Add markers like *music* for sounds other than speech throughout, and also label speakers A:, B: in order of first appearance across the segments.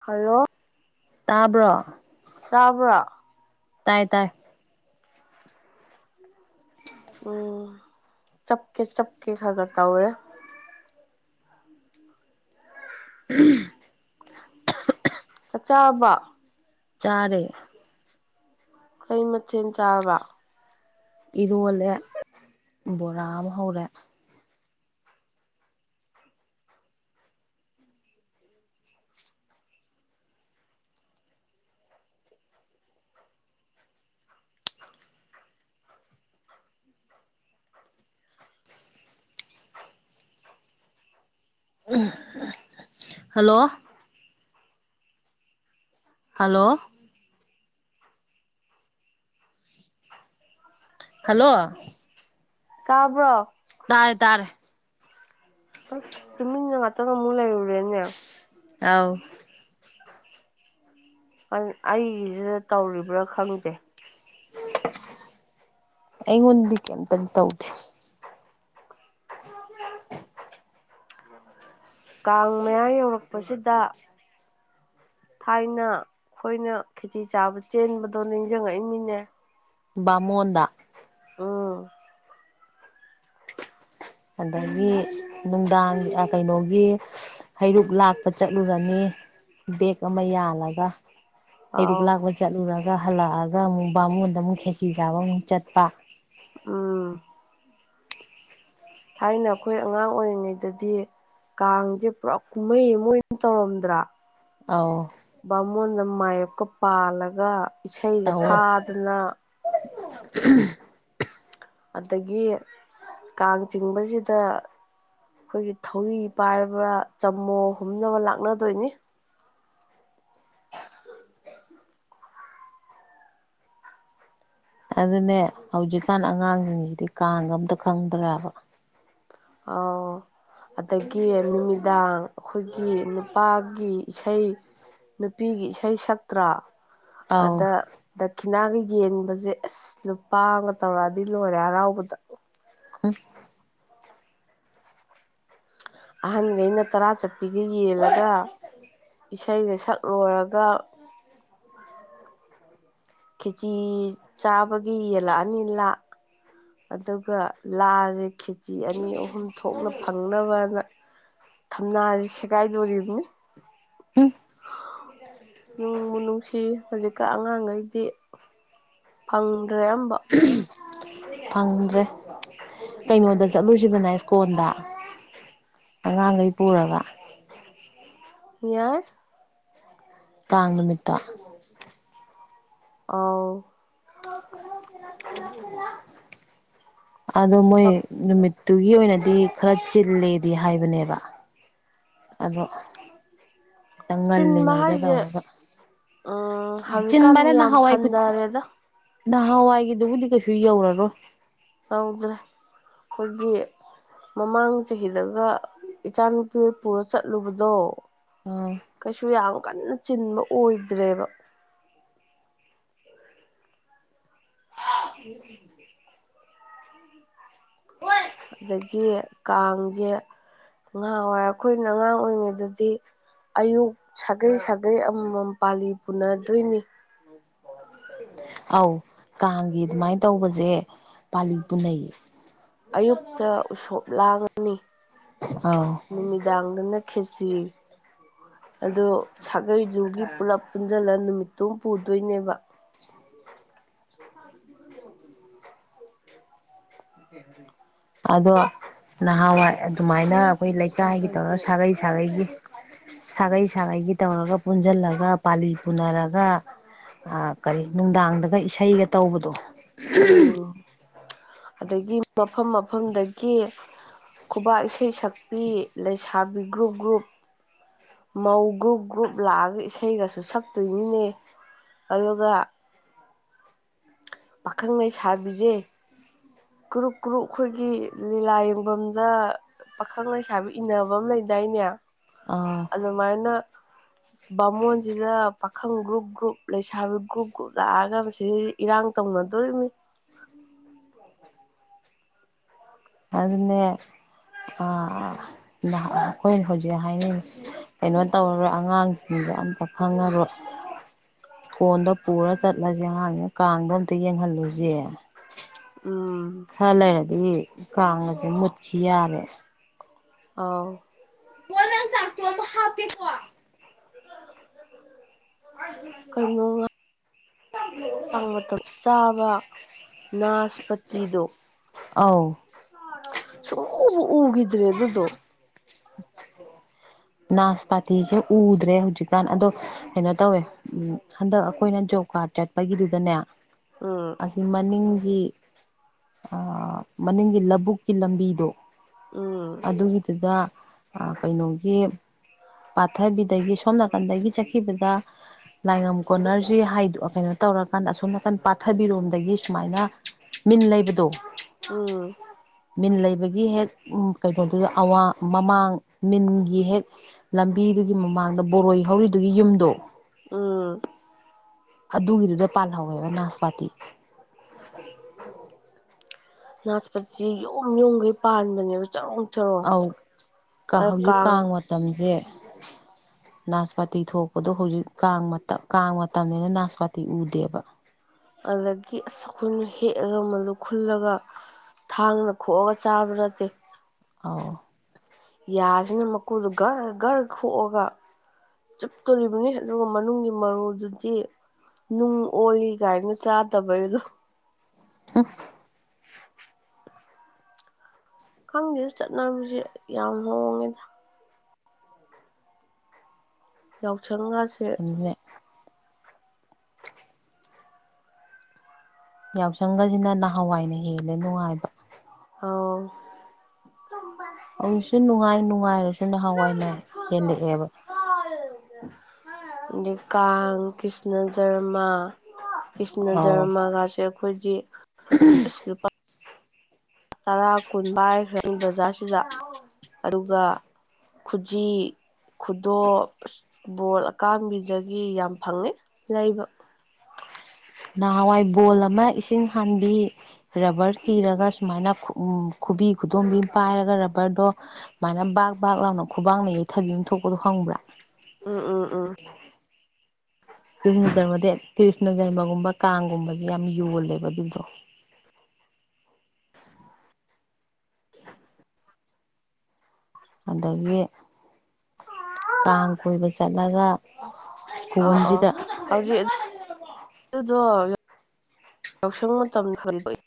A: hello
B: ꯇꯥꯕ꯭ꯔꯣ
A: ꯇꯥꯕ꯭ꯔꯣ
B: ꯇꯥꯏ ꯇꯥꯏ
A: ꯎꯝ ꯆꯞꯀꯦ ꯆꯞꯀꯦ ꯈꯥ ꯈꯥ ꯇꯧꯋꯦ
B: *unintelligible*
A: ꯆꯥꯛ ꯆꯥꯔꯕꯣ
B: ꯆꯥꯔꯦ
A: ꯑꯀꯩ ꯃꯊꯦꯜ ꯆꯥꯔꯕ
B: ꯏꯔꯣꯜꯂꯦ ꯕꯣꯔꯥ ꯑꯃ ꯍꯧꯔꯦ ꯍꯜꯂꯣ ꯍꯜꯂꯣ ꯍꯜꯂꯣ
A: ꯀꯥꯕ꯭ꯔꯣ
B: ꯇꯥꯔꯦ ꯇꯥꯔꯦ
A: ꯑꯁ ꯇꯨꯃꯤꯟꯅ ꯉꯥꯛꯇꯡ ꯑꯃꯨꯛ ꯂꯩꯏꯔꯨꯔꯦꯅ
B: ꯑꯥꯎ
A: ꯑꯩ ꯑꯩꯒꯤꯁꯤꯗ ꯇꯧꯔꯤꯕ꯭ꯔꯥ ꯈꯪꯗꯦ
B: ꯑꯩꯉꯣꯟꯗꯤ ꯀꯩꯝꯇ ꯇꯧꯗꯦ ꯑꯗꯨ ꯅꯣꯏ ꯀꯩ ꯗꯧꯒꯦ
A: ꯀꯥꯡ ꯃꯌꯥ ꯌꯧꯔꯛꯄꯁꯤꯗ
B: ꯎ
A: ꯊꯥꯏꯅ ꯑꯩꯈꯣꯏꯅ ꯈꯦꯖꯤ ꯆꯥꯕ ꯆꯦꯟꯕꯗꯣ ꯅꯤꯡꯁꯤꯡꯉꯛꯏꯃꯤꯅꯦ
B: ꯕꯥꯃꯣꯟꯗ
A: ꯎꯝ
B: ꯑꯗꯒꯤ ꯅꯨꯡꯗꯥꯡ ꯀꯩꯅꯣꯒꯤ ꯍꯩꯔꯨꯛ ꯂꯥꯛꯄ ꯆꯠꯂꯨꯔꯅꯤ ꯕꯦꯛ ꯑꯃ ꯌꯥꯜꯂꯒ ꯍꯩꯔꯨꯛ
A: ꯑꯥꯎ
B: ꯂꯥꯛꯄ ꯆꯠꯂꯨꯔꯒ ꯍꯜꯂꯛꯑꯒ ꯑꯃꯨꯛ ꯕꯥꯉꯣꯟꯗ ꯑꯃꯨꯛ ꯈꯦꯁꯤ ꯆꯥꯕ ꯑꯃꯨꯛ ꯆꯠꯄ
A: ꯎꯝ ꯊꯥꯏꯅ ꯑꯩꯈꯣꯏ ꯑꯉꯥꯡ ꯑꯣꯏꯔꯤꯉꯩꯗꯗꯤ ꯀꯥꯡꯁꯦ ꯄꯨꯔꯥ ꯀꯨꯝꯍꯩ ꯑꯃ ꯑꯣꯏꯅ ꯇꯧꯔꯝꯗ꯭ꯔꯥ
B: ꯑꯥꯎ
A: ꯕꯥꯃꯣꯟꯗ ꯃꯥꯌꯞꯀ ꯄꯥꯜꯂꯒ ꯏꯁꯩꯒ ꯊꯥꯗꯅ
B: ꯎ
A: ꯑꯗꯒꯤ ꯀꯥꯡ ꯆꯤꯡꯕꯁꯤꯗ ꯑꯩꯈꯣꯏꯒꯤ ꯊꯧꯔꯤ ꯄꯥꯏꯔꯕ ꯆꯃꯣ ꯍꯨꯝꯅꯕ ꯂꯥꯛꯅꯗꯣꯏꯅꯤ
B: ꯑꯗꯨꯅꯦ ꯍꯧꯖꯤꯛꯀꯥꯟ ꯑꯉꯥꯡꯁꯤꯡꯁꯤꯗꯤ ꯀꯥꯡ ꯑꯝꯇ ꯈꯪꯗ꯭ꯔꯕ
A: ꯑꯥꯎ ꯑꯗꯒꯤ ꯅꯨꯃꯤꯗꯥꯡ ꯑꯩꯈꯣꯏꯒꯤ ꯅꯨꯄꯥꯒꯤ ꯏꯁꯩ ꯅꯨꯄꯤꯒꯤ ꯏꯁꯩ ꯁꯛꯇ꯭ꯔꯥ
B: ꯑꯧ
A: ꯑꯗ ꯗꯈꯤꯅꯥꯒ ꯌꯦꯟꯕꯁꯦ ꯑꯁ ꯂꯨꯄꯥ ꯑꯃꯒ ꯇꯧꯔꯥꯗꯤ ꯂꯣꯏꯔꯦ ꯍꯔꯥꯎꯕꯗ
B: ꯎꯝ
A: ꯑꯍꯟꯈꯩꯅ ꯇꯔꯥ ꯆꯠꯄꯤꯒ ꯌꯦꯜꯂꯒ ꯏꯁꯩꯒ ꯁꯛ ꯂꯣꯏꯔꯒ
B: *unintelligible*
A: ꯀꯦꯖꯤ ꯆꯥꯕꯒꯤ ꯌꯦꯜꯂꯛꯑꯅꯤ ꯂꯥ ꯑꯗꯨꯒ ꯂꯥꯥꯁꯦ ꯈꯦꯆꯤ ꯑꯅꯤ ꯑꯍꯨꯝ ꯊꯣꯛꯅ ꯐꯪꯅꯕꯅ ꯊꯝꯅꯥꯁ ꯁꯦꯒꯥꯏꯗꯣꯔꯤꯕꯅꯤ
B: ꯎꯝ
A: ꯅꯣꯡꯕꯨ ꯅꯨꯡꯁꯤ ꯍꯧꯖꯤꯛꯀ ꯑꯉꯥꯡꯈꯩꯗꯤ ꯐꯪꯗ꯭ꯔꯦ ꯑꯝꯕ
B: ꯐꯪꯗ꯭ꯔꯦ ꯀꯩꯅꯣꯗ ꯆꯠꯂꯨꯁꯤꯕꯅ ꯁ꯭ꯀꯣꯟꯜꯗ ꯑꯉꯥꯡꯈꯩ ꯄꯨꯔꯒ
A: ꯌꯥꯏ
B: ꯇꯥꯡ ꯅꯨꯃꯤꯠꯇ
A: ꯑꯥꯎ
B: ꯑꯗꯣ ꯃꯣꯏ ꯅꯨꯃꯤꯠ ꯑꯗꯨꯒꯤ ꯑꯣꯏꯅꯗꯤ ꯈꯔ ꯆꯤꯜꯂꯦꯗꯤ ꯍꯥꯏꯕꯅꯦꯕ ꯑꯗꯣ ꯈꯤꯇꯪ
A: ꯆꯤꯟꯕ
B: ꯉꯜꯂꯤꯉꯩꯗ
A: ꯍꯥꯏꯁꯦ
B: ꯇꯧꯔꯒ
A: ꯎꯝ
B: ꯆꯤꯟ
A: ꯍꯧꯖꯤꯛꯀꯥꯟꯗꯤ ꯌꯥꯝ
B: ꯃꯅꯦꯅꯍꯋꯥꯏ ꯀ
A: ꯍꯟꯊꯔꯦꯗ
B: ꯅꯍꯥꯟꯋꯥꯏꯒꯤꯗꯨꯕꯨꯗꯤ ꯀꯩꯁꯨ ꯌꯧꯔꯔꯣ
A: ꯍꯗ꯭ꯔꯦ ꯍꯒꯤ ꯃꯃꯥꯡ ꯆꯍꯤꯗꯒ ꯏꯆꯥꯅꯨꯄꯤ ꯄꯨꯔ ꯆꯠꯂꯨꯕꯗꯣ
B: ꯎ
A: ꯀꯩꯁꯨ ꯌꯥꯝ ꯀꯟꯅ ꯆꯤꯟꯕ ꯑꯣꯏꯗ꯭ꯔꯦꯕ
B: *inaudible*
A: ꯑꯗꯒꯤ ꯀꯥꯡꯁꯦ ꯉꯍꯥ ꯑꯣꯏꯔ ꯑꯩꯈꯣꯏꯅ ꯑꯉꯥꯡ ꯑꯣꯏꯔꯤꯉꯩꯗꯗꯤ ꯑꯌꯨꯛ ꯁꯥꯒꯩ ꯁꯥꯒꯩ ꯑꯃꯃꯝ ꯄꯥꯜꯂꯤ ꯄꯨꯅꯗꯣꯏꯅꯤ *inaudible*
B: ꯑꯧ ꯀꯥꯡꯒꯤ ꯑꯗꯨꯃꯥꯏꯅ ꯇꯧꯕꯁꯦ ꯄꯥꯂꯤ ꯄꯨꯅꯩ
A: ꯑꯌꯨꯛꯇ ꯎꯁꯣꯞ ꯂꯥꯡꯉꯅꯤ
B: ꯑꯧ
A: ꯅꯨꯃꯤꯗꯥꯡꯗꯅ ꯈꯦꯆ꯭ꯔꯤ
B: ꯎꯝ
A: ꯑꯗꯣ ꯁꯥꯒꯩꯗꯨꯒꯤ ꯄꯨꯂꯞ ꯄꯨꯟꯁꯤꯜꯂ ꯅꯨꯃꯤꯠꯇꯨ ꯑꯃ ꯄꯨꯗꯣꯏꯅꯦꯕ
B: ꯊꯕꯥꯜ ꯆꯣꯡꯕ ꯍꯩꯕꯔꯣ
A: *inaudible*
B: ꯑꯗꯣ ꯅꯍꯥꯟꯋꯥꯏ ꯑꯗꯨꯃꯥꯏꯅ ꯑꯩꯈꯣꯏ ꯂꯩꯀꯥꯏꯒꯤ ꯇꯧꯔꯒ ꯁꯥꯒꯩ ꯁꯥ ꯁꯥꯒꯩꯒꯤ ꯁꯥꯒꯩ ꯁꯥꯒꯩꯒꯤ ꯇꯧꯔꯒ ꯄꯨꯟꯖꯜꯂꯒ ꯄꯥꯂꯤ ꯄꯨꯅꯔꯒ ꯀꯔꯤ ꯅꯨꯡꯗꯥꯡꯗꯒ ꯏꯁꯩꯒ ꯇꯧꯕꯗꯣ
A: ꯎꯝ ꯑꯗꯒꯤ ꯃꯐꯝ ꯃꯐꯝꯗꯒꯤ ꯈꯨꯕꯥꯛ ꯏꯁꯩ ꯁꯛꯄꯤ ꯂꯩꯁꯥꯕꯤ ꯒ꯭ꯔꯨꯞ ꯒ꯭ꯔꯨꯞ ꯃꯧ ꯒ꯭ꯔꯨꯞ ꯒ꯭ꯔꯨꯞ ꯂꯥꯛꯑꯒ ꯏꯁꯩꯒꯁꯨ ꯁꯛꯇꯣꯏꯅꯤꯅꯦ ꯑꯗꯨꯒ ꯄꯥꯈꯪ ꯂꯩꯁꯥꯕꯤꯁꯦ ꯀ꯭ꯔꯨꯞ ꯀ꯭ꯔꯨꯞ ꯑꯩꯈꯣꯏꯒꯤ ꯂꯤꯂꯥ ꯌꯦꯡꯐꯝꯗ ꯄꯥꯈꯪ ꯂꯩꯁꯥꯕꯤ ꯏꯟꯅꯕ ꯑꯃ ꯂꯩꯗꯥꯏꯅꯦ
B: ꯑꯥ
A: ꯑꯗꯨ ꯃꯥꯏꯅ ꯕꯥꯃꯣꯟꯁꯤꯗ ꯄꯥꯈꯪ ꯒ꯭ꯔꯨꯞ ꯒ꯭ꯔꯨꯞ ꯂꯩꯁꯥꯕꯤ ꯒ꯭ꯔꯨꯞ ꯒ꯭ꯔꯨꯞ ꯂꯥꯛꯑꯒ ꯃꯁꯤ ꯏꯔꯥꯡ ꯇꯧꯅꯗꯣꯔꯤꯕꯅꯤ
B: ꯑꯗꯨꯅꯦ ꯑꯩꯈꯣꯏ ꯍꯧꯖꯤꯛ ꯍꯥꯏꯅꯩꯁꯦ ꯀꯩꯅꯣ ꯇꯧꯔꯔꯣꯏ ꯑꯉꯥꯡꯁꯤꯡꯗꯣ ꯑꯝꯇ ꯈꯪꯉꯔꯣꯏ ꯀꯣꯟꯗ ꯄꯨꯔ ꯆꯠꯂꯁꯦ ꯑꯉꯥꯡꯗꯣ ꯀꯥꯡꯗꯣ ꯑꯝꯇ ꯌꯦꯡꯍꯜꯂꯨꯁꯦ
A: ꯎꯝ
B: ꯈꯔ ꯂꯩꯔꯗꯤ ꯀꯥꯡꯒꯁꯦ ꯃꯨꯠꯈꯤ ꯌꯥꯔꯦ
A: ꯑꯥꯎ
B: ꯀꯣ ꯅꯪ ꯆꯥꯛ ꯇꯣꯕꯨ ꯍꯥꯥꯎꯦ ꯀꯣ ꯍ
A: ꯀꯩꯅꯣ ꯀꯥꯡ ꯃꯇꯝ ꯆꯥꯕ ꯅꯥꯁꯄꯇꯤꯗꯣ
B: ꯑꯧ
A: ꯁꯣꯕ ꯎꯒꯗ꯭ꯔꯦ ꯑꯗꯨ ꯑꯗꯨꯗꯨꯣ
B: ꯅꯥꯁ ꯄꯥꯇꯤꯁꯦ ꯎꯗ꯭ꯔꯦ ꯍꯧꯖꯤꯛꯀꯥꯟ ꯑꯗꯣ ꯀꯩꯅꯣ ꯇꯧꯋꯦ ꯎꯝ ꯍꯟꯗꯛ ꯑꯩꯈꯣꯏꯅ ꯖꯣꯕ ꯀꯥꯔꯗ ꯆꯠꯄꯒꯤꯗꯨꯗꯅꯦ
A: ꯎ
B: ꯑꯁꯤ ꯃꯅꯤꯡꯒꯤ ꯃꯅꯤꯡꯒꯤ ꯂꯧꯕꯕꯨꯛꯀꯤ ꯂꯝꯕꯤꯗꯣ
A: ꯎꯝ
B: ꯑꯗꯨꯒꯤꯗꯨꯗ ꯀꯩꯅꯣꯒꯤ ꯄꯥꯊꯕꯤꯗꯒꯤ ꯁꯣꯝ ꯅꯥꯀꯟꯗꯒꯤ ꯆꯠꯈꯤꯕꯗ ꯂꯥꯏꯉꯝ ꯀꯣꯟꯅꯔꯁꯤ ꯍꯥꯏꯗ ꯀꯩꯅꯣ ꯇꯧꯔꯀꯥꯟꯗ ꯑꯁꯣꯝ ꯅꯥꯀꯟ ꯄꯥꯊꯕꯤꯔꯣꯝꯗꯒꯤ ꯁꯨꯃꯥꯏꯅ ꯃꯤꯟ ꯂꯩꯕꯗꯣ
A: ꯎꯝ
B: ꯃꯤꯟ ꯂꯩꯕꯒꯤ ꯍꯦꯛ ꯀꯩꯅꯣꯗꯨꯗ ꯑꯋꯥ ꯃꯃꯥꯡ ꯃꯤꯟꯒꯤ ꯍꯦꯛ ꯂꯝꯕꯤꯗꯨꯒꯤ ꯃꯃꯥꯡꯗ ꯕꯣꯔꯣꯏ ꯍꯧꯔꯤꯗꯨꯒꯤ ꯌꯨꯝꯗꯣ
A: ꯎꯝ
B: ꯑꯗꯨꯒꯤꯗꯨꯗ ꯄꯥꯜꯍꯧꯋꯦꯕ ꯅꯥꯁꯄꯥꯥꯇꯤ
A: ꯉ ꯁꯤ ꯌꯨꯝ ꯌꯨꯝꯈꯩ ꯄꯥꯟꯕꯅꯦꯕ ꯆꯔꯣꯡ ꯆꯔꯣꯡ
B: ꯑꯧ
A: ꯑꯗ ꯀꯥꯡ
B: ꯃꯇꯝꯁꯦ ꯅꯥꯁꯄꯥꯇꯤ ꯊꯣꯛꯄꯗꯣ ꯍꯧꯖꯤꯛ ꯀꯥꯡ ꯀꯥꯡ ꯃꯇꯝꯅꯤꯅ ꯅꯥꯁꯄꯥꯇꯤ ꯎꯗꯦ
A: *unintelligible* ꯈꯨꯜꯂꯒ ꯊꯥꯡꯅ ꯈꯣꯛꯑꯒ ꯆꯥꯕ ꯅꯠꯇꯦ
B: ꯑꯥꯎ
A: ꯌꯥꯁꯤꯅ ꯃꯀꯨꯗꯨꯣ ꯘꯔ ꯘꯔ ꯈꯣꯛꯑꯒ ꯆꯨꯞꯇꯣꯔꯤꯕꯅꯤ ꯑꯗꯨꯒ ꯃꯅꯨꯡꯒꯤ ꯃꯔꯨꯗꯨꯗꯤ ꯅꯨꯡ ꯑꯣꯏ ꯀꯥꯏꯅ ꯆꯥꯗꯕꯩꯗꯣ
B: ꯎꯝ
A: *inaudible* ꯈꯪꯗꯦꯗ ꯆꯠꯅꯕꯤꯁꯦ ꯌꯥꯝ ꯍꯣꯡꯉꯦꯗ ꯌꯥꯎꯁꯪꯒꯁꯦ
B: ꯑꯗꯨꯅ ꯌꯥꯎꯁꯪꯒꯖꯤꯅ ꯅꯍꯥꯟꯋꯥꯏꯅ ꯍꯦꯟꯂꯦ ꯅꯨꯡꯉꯥꯏꯕ
A: ꯑꯥꯎ ꯊꯃ
B: ꯍꯧꯖꯤꯛꯁꯨ ꯅꯨꯡꯉꯥꯏ ꯅꯨꯡꯉꯥꯏꯔꯁꯨ ꯅꯍꯥꯟꯋꯥꯏꯅ ꯍꯦꯜꯂꯛꯑꯦꯕ
A: ꯑ ꯀꯥꯡ ꯀ꯭ꯔꯤꯁꯅ ꯖꯔꯃꯥ ꯀ꯭ꯔꯤꯁꯅ
B: ꯑꯧ
A: ꯖꯔꯃꯒꯥꯁꯦ ꯑꯩꯈꯣꯏꯗꯤ ꯑꯁ ꯂꯨꯄꯥ ꯇꯔꯥ ꯀꯨꯟ ꯄꯥꯏꯈ꯭ꯔꯦ ꯕꯖꯥꯔꯁꯤꯗ ꯑꯗꯨꯒ ꯈꯨꯖꯤ ꯈꯨꯗꯣꯞꯕꯣꯜ ꯑꯀꯥꯡꯕꯤꯗꯒꯤ ꯌꯥꯝ ꯐꯪꯉꯦ ꯂꯩꯕ
B: ꯅꯍꯥꯟꯋꯥꯏ ꯕꯣꯜ ꯑꯃ ꯏꯁꯤꯡ ꯍꯥꯟꯕꯤ ꯔꯕꯔ ꯊꯤꯔꯒ ꯁꯨꯃꯥꯏꯅ ꯈꯨꯕꯤ ꯈꯨꯗꯣꯝꯕꯤ ꯄꯥꯏꯔꯒ ꯔꯕꯔꯗꯣ ꯁꯨꯃꯥꯏꯅ ꯕꯥꯛ ꯕꯥꯛ ꯂꯥꯎꯅ ꯈꯨꯕꯥꯡꯅ ꯌꯩꯊꯕꯤ ꯑꯃ ꯊꯣꯛꯄꯗꯣ ꯍꯪꯕ꯭ꯔꯥ
A: ꯎꯝ ꯎꯝ ꯎꯝ
B: ꯎ ꯇꯨꯔꯤꯁꯅꯖꯟꯕꯗꯤ ꯇꯨꯔꯤꯁꯅꯖꯟꯕꯒꯨꯝꯕ ꯀꯥꯡꯒꯨꯝꯕꯁꯦ ꯌꯥꯝ ꯌꯣꯜꯂꯦꯕ ꯑꯗꯨꯗꯣ ꯑꯗꯒꯤ ꯀꯥꯡ ꯀꯣꯏꯕ ꯆꯠꯂꯒ
A: ꯑ ꯑ
B: ꯁ꯭ꯀꯨꯜꯁꯤꯗ
A: ꯍꯧꯖꯤꯛ ꯑꯗꯨꯗꯣ ꯌꯥꯎꯁꯪ ꯃꯇꯝꯗ ꯈꯟꯗꯣꯛꯏ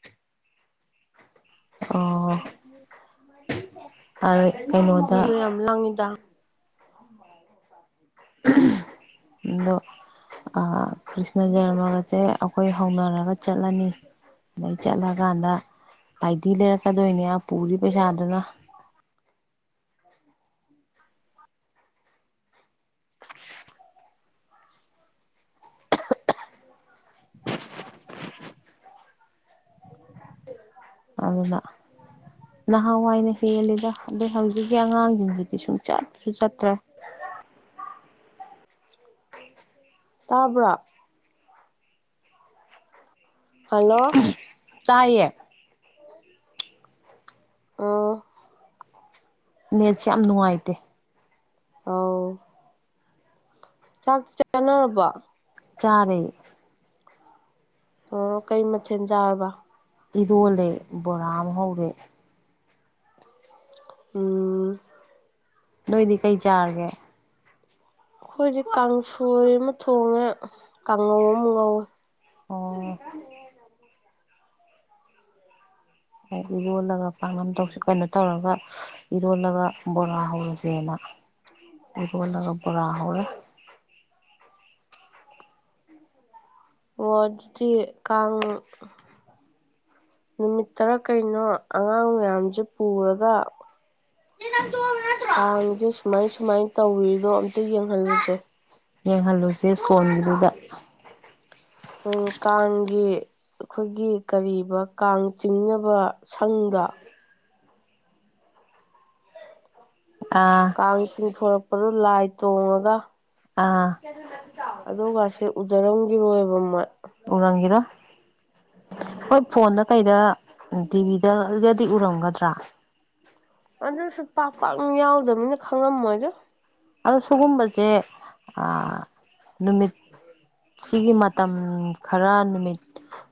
B: ꯑꯣ
A: ꯎ
B: ꯀꯩꯅꯣꯗ
A: ꯂꯪꯉꯗ
B: ꯑꯗꯣ ꯀ꯭ꯔꯤꯁꯅ ꯖꯔꯃꯒꯁꯦ ꯑꯈꯣꯏ ꯍꯧꯅꯔꯒ ꯆꯠꯂꯅꯤ ꯑꯗꯩ ꯆꯠꯂꯀꯥꯟꯗ ꯍꯥꯏꯗꯤ ꯂꯩꯔꯛ ꯀꯗꯣꯏꯅꯦ ꯄꯨꯔꯤ ꯄꯩꯁꯥꯗꯨꯅ
A: ꯍꯣꯏ ꯌꯦ ꯎꯈꯔ꯭ꯤꯗꯦ *inaudible*
B: ꯂꯥꯛ ꯏꯔꯣ ꯑꯗꯨꯅ ꯅꯍꯥꯟꯋꯥꯏꯅ ꯍꯦꯜꯂꯤꯦꯗ ꯑꯗꯩ ꯍꯧꯖꯤꯛꯀꯤ ꯑꯉꯥꯡꯁꯤꯡꯁꯤꯗꯤ ꯁꯨꯝ ꯆꯠꯁꯨ ꯆꯠꯇ꯭ꯔ *unintelligible*
A: ꯇꯥꯕ꯭ꯔꯥ
B: ꯇꯥꯏꯌꯦ
A: ꯑꯣ ꯑꯥ
B: ꯅꯦꯠꯁꯦ ꯌꯥꯝ ꯅꯨꯡꯉꯥꯏꯇꯦ
A: ꯑꯥꯎ ꯆꯥꯛ ꯆꯥꯅꯔꯕꯣ
B: ꯆꯔꯦ
A: ꯑꯣ ꯀꯩ ꯃꯊꯦꯜ ꯆꯥꯔꯕ
B: ꯏꯔꯣꯜꯂꯦ ꯕꯣꯔꯥ ꯑꯃ ꯍꯧꯔꯦ
A: ꯎꯝ
B: ꯅꫭꯏꯗꯤ ꯀꯩ ꯆꯥꯔꯒꯦ
A: ꯑꯩꯈꯣꯏꯗꯤ ꯀꯥꯡꯁꯣꯏ ꯑꯃ ꯊꯣꯡꯉꯦ ꯀꯥꯡꯉꯧ ꯑꯃ ꯉꯧꯋꯦ
B: ꯑꯣ ꯍꯥꯏ ꯏꯔꯣꯜꯂꯒ ꯄꯥꯛꯅꯝ ꯇꯧꯁꯦ ꯀꯩꯅꯣ ꯇꯧꯔꯒ ꯏꯔꯣꯜꯂꯒ ꯕꯣꯔꯥ ꯍꯧꯔꯁꯦꯅ ꯏꯔꫭꯜꯂꯒ ꯕꫭꯔꯥ ꯍꯧꯔꯦ
A: ꯑꫭ ꯑꯗꯨꯗꯤ ꯀꯥꯡ ꯅꯨꯃꯤꯠ ꯇꯔꯥ ꯀꯩꯅꯣ ꯑꯉꯥꯡ ꯃꯌꯥꯝꯖꯦ ꯄꯨꯔꯒ ꯀꯥꯡꯖꯦ ꯁꯨꯃꯥꯏ ꯁꯨꯃꯥꯏ ꯇꯧꯋꯤꯗꯣ ꯑꯝꯇ ꯌꯦꯡꯍꯜꯂꯨꯖꯦ
B: ꯌꯦꯡꯍꯜꯂꯨꯁꯦ ꯏꯁꯀꯣꯟꯒꯤꯗꯨꯗ
A: ꯎꯝ ꯀꯥꯡꯒꯤ ꯑꯩꯈꯣꯏꯒꯤ ꯀꯔꯤꯕ ꯀꯥꯡ ꯆꯤꯡꯅꯕ ꯁꯪꯗꫭ
B: ꯑꯥ
A: ꯀꯥꯡ ꯆꯤꯡꯊꯣꯔꯛꯄꯗꫭ ꯂꯥꯏ ꯇꯣꯡꯉꯒ
B: ꯑꯥ
A: ꯑꯗꯨꯒꯁꯦ ꯎꯖꯔꯝꯒꯤꯔꯣꯏꯕ ꯃꫭꯏ
B: ꯎꯔꯝꯒꯤꯔꫭꯏ ꯍꯣꯏ ꯐꯣꯟꯗ ꯀꯩꯗ ꯇꯤꯚꯤꯗꯒ ꯑꯗꯨꯗꯗꯤ ꯎꯔꯝꯒꯗ꯭ꯔꯥ
A: ꯑꯗꯨꯁꯨ ꯄꯥꯛ ꯄꯥꯛꯅ ꯌꯥꯎꯗꯕꯅꯤꯅ ꯈꯪꯉꯝꯃꯣꯏꯗ
B: ꯑꯗꫭ ꯁꯨꯒꯨꯝꯕꯁꯦ ꯑꯥ ꯅꯨꯃꯤꯠ ꯁꯤꯒꯤ ꯃꯇꯝ ꯈꯔ ꯅꯨꯃꯤꯠ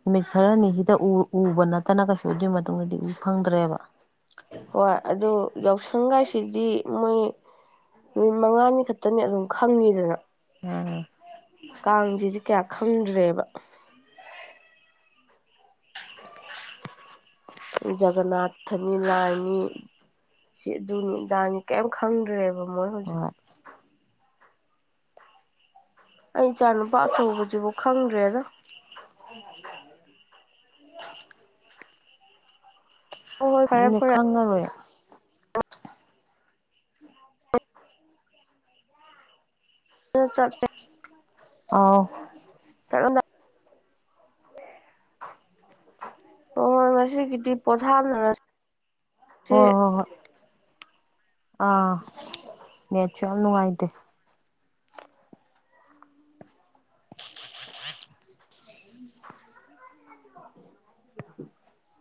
B: ꯅꯨꯃꯤꯠ ꯈꯔꯅꯤꯁꯤꯗ ꯎ ꯎꯕ ꯅꯠ ꯇꯅ ꯀꯩꯁꯨ ꯑꯗꯨꯏ ꯃꯇꯨꯡꯗꯗꯤ ꯎ ꯐꯪꯗ꯭ꯔꯦꯕ
A: ꯍꯣꯏ ꯑꯗꯨ ꯌꯥꯎꯁꯪꯒꯥꯏꯁꯤꯗꯤ ꯃꯣꯏ ꯅꯨꯃꯤꯠ ꯃꯪꯉꯥꯅꯤ ꯈꯛꯇꯅꯤ ꯑꯗꯨꯝ ꯈꯪꯉꯤꯗꯅ
B: ꯑꯥ
A: ꯀꯥꯡꯁꯤꯗꯤ ꯀꯌꯥ ꯈꯪꯗ꯭ꯔꯦꯕ
B: *unintelligible*
A: ꯖꯒꯅꯥꯊꯅꯤ ꯂꯥꯏꯅꯤ ꯁꯤ ꯑꯗꯨꯅꯤ ꯑꯗꯥꯅꯤ ꯀꯩꯝ ꯈꯪꯗ꯭ꯔꯦꯕ ꯃꯣꯏ ꯍꯧꯖꯤꯛ ꯑꯩ ꯏꯆꯥ ꯅꯨꯄꯥ ꯑꯆꯧꯕꯖꯤꯕꯨꯛ ꯈꯪꯗ꯭ꯔꯦꯗ
B: ꯎ *unintelligible*
A: ꯍꯣꯏ ꯍꯣꯏ ꯐꯔꯦ
B: ꯑꯗꯨꯅꯦ
A: ꯐꯔꯦ
B: ꯈꯪꯉꯔꯣꯏ
A: ꯎꯝ ꯆꯠ ꯆꯦ
B: ꯑꯥꯎ
A: ꯀꯔꯝꯅ
B: *unintelligible*
A: ꯑꯣ ꯉꯁꯤꯒꯤꯗꯤ ꯄꯣꯊꯥꯅꯔꯁꯤ
B: ꯍꫭ ꯍꫭ ꯍꫭꯏ ꯑꯥ ꯅꯦꯠꯁꯨ ꯌꯥꯝ ꯅꯨꯡꯉꯥꯏꯇꯦ ꯎꯝ *unintelligible*
A: *unintelligible*